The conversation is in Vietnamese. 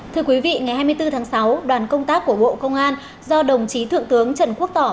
thưa quý vị ngày hai mươi bốn tháng sáu đoàn công tác của bộ công an do đồng chí thượng tướng trần quốc tỏ